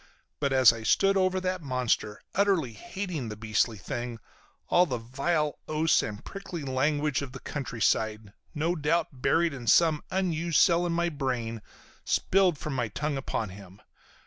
But as I stood over that monster, utterly hating the beastly thing, all the vile oaths and prickly language of the countryside, no doubt buried in some unused cell in my brain, spilled from my tongue upon him.